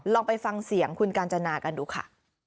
ลองไปฟังเสียงคุณกาญจนากันดูค่ะ